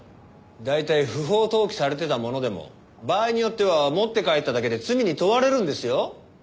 大体不法投棄されてたものでも場合によっては持って帰っただけで罪に問われるんですよ。